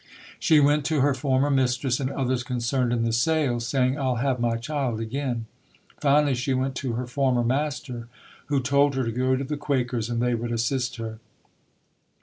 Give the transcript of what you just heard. She went to her former mistress and others con cerned in the sale, saying, "I'll have my child again". Finally she went to her former master, who told her to go to the Quakers and they would assist her.